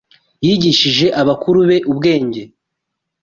Yigishe abakuru be ubwenge.